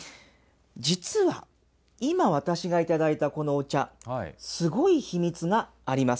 実は、今、私が頂いたこのお茶、すごい秘密があります。